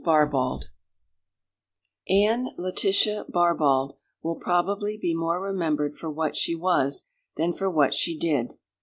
BARBAULD ANNE LETITIA BARBAULD will probably be more remembered for what she was than for what she did.